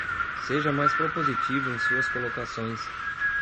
Seja mais propositiva em suas colocações